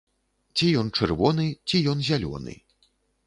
Ці ён чырвоны, ці ён зялёны.